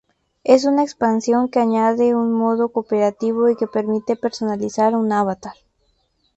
Es una expansión que añade un modo cooperativo y que permite personalizar un avatar.